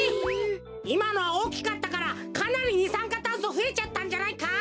いまのはおおきかったからかなりにさんかたんそふえちゃったんじゃないか？